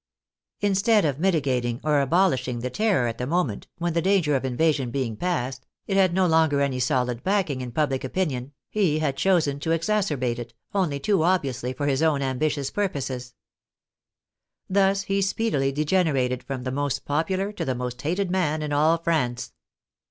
Instead of mitigating or abolishing the Terror at the moment, when, the danger of invasion being past, it had no longer any solid backing in public opinion, he had 94 THE FRENCH REVOLUTION chosen to exacerbate it, only too obviously for his own amhitious purposes. Thus he speedily degenerated from the most popular to the most hated man in all France.